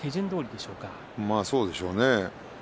そうでしょうね。